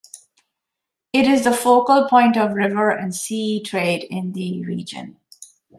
It is the focal point of river and sea trade in the region.